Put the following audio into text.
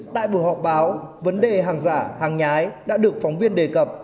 tại buổi họp báo vấn đề hàng giả hàng nhái đã được phóng viên đề cập